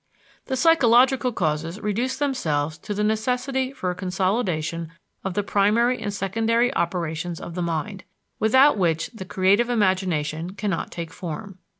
The psychological causes reduce themselves to the necessity for a consolidation of the primary and secondary operations of the mind, without which the creative imagination cannot take form.